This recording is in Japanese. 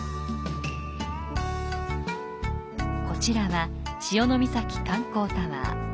こちらは潮岬観光タワー。